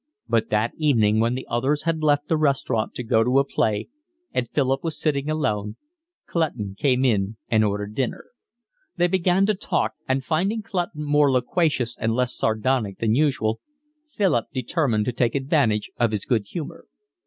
But that evening, when the others had left the restaurant to go to a play and Philip was sitting alone, Clutton came in and ordered dinner. They began to talk, and finding Clutton more loquacious and less sardonic than usual, Philip determined to take advantage of his good humour.